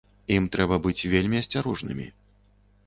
Ім трэба быць вельмі асцярожнымі.